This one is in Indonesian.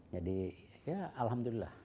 jadi ya alhamdulillah